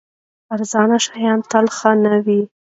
ارزانه شیان تل ښه نه وي.